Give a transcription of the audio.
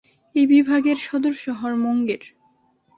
এই বিভাগের সদর শহর মুঙ্গের।